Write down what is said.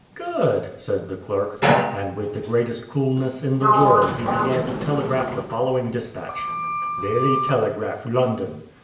"Good," said the clerk. And with the greatest coolness in the world he began to telegraph the following dispatch: "Daily Telegraph, London.